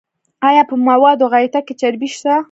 ایا په موادو غایطه کې چربی شته؟